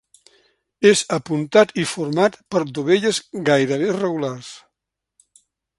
És apuntat i format per dovelles gairebé regulars.